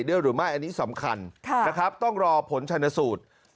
ด้วยหรือไม่อันนี้สำคัญนะครับต้องรอผลชนสูตร